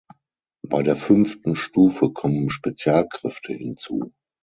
Bei der fünften Stufe kommen Spezialkräfte hinzu.